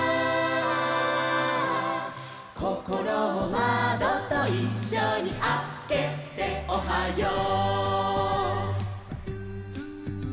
「こころをまどといっしょにあけておはよう！」